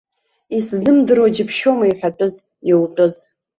Исзымдыруа џьыбшьома иҳәатәыз, иутәыз.